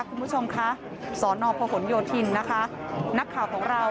คุณผู้ชมคะสอนอพหนโยธินนะคะนักข่าวของเรา